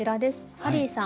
ハリーさん